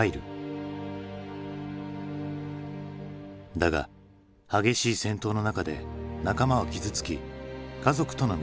だが激しい戦闘の中で仲間は傷つき家族との溝も深まる。